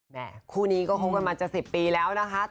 คู่นี้ก็คบกันมาจะ๑๐ปีแล้วนะคะ